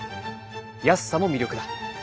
安さも魅力だ。